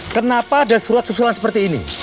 kenapa ada surat susulan seperti ini